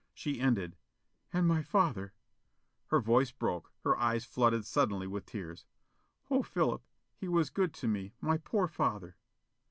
She ended, "And my father " Her voice broke; her eyes flooded suddenly with tears "Oh, Philip, he was good to me, my poor father."